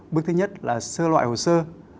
bước thứ nhất là sơ loại hồ sơ